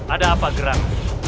ada apa gerak